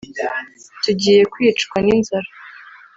tugiye kwicwa n’inzara